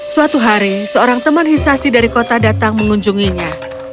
suatu hari seorang teman hisasi dari kota datang mengunjunginya